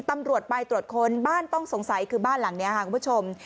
ตำรวจไปตรวจค้นบ้านต้องสงสัยคือบ้านหลังนี้ค่ะคุณผู้ชม